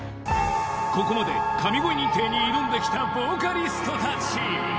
ここまで神声認定に挑んできたボーカリストたち